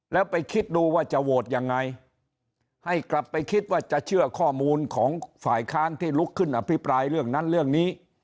แล้วไปคิดดูว่าจะโหวตยังไงให้กลับไปคิดว่าจะเชื่อข้อมูลของฝ่ายค้านที่ลุกขึ้นอภิปรายเรื่องนั้นเรื่องนี้